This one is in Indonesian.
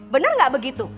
bener gak begitu